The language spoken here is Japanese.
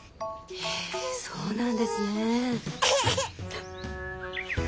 へえそうなんですね。